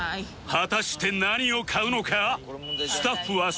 果たして何を買うのか？